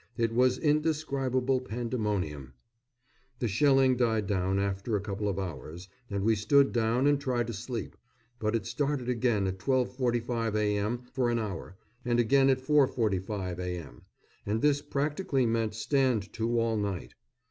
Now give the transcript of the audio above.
It was indescribable pandemonium. The shelling died down after a couple of hours, and we stood down and tried to sleep; but it started again at 12.45 a.m. for an hour, and again at 4.45 a.m.; and this practically meant stand to all night.